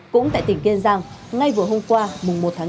cũng tại tỉnh kiên giang ngay vừa hôm qua mùng một tháng chín